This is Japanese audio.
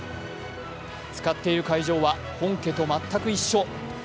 使っている会場は本家と全く一緒。